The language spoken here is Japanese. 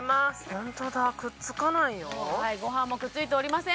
本当だくっつかないよご飯もくっついておりません